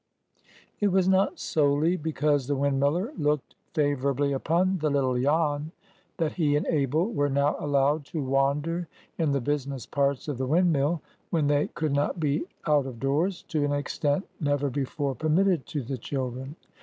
It was not solely because the windmiller looked favorably upon the little Jan that he and Abel were now allowed to wander in the business parts of the windmill, when they could not be out of doors, to an extent never before permitted to the children.